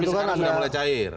tapi sekarang sudah mulai cair